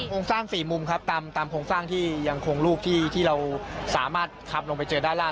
โครงสร้าง๔มุมครับตามโครงสร้างที่ยังคงลูกที่เราสามารถขับลงไปเจอด้านล่าง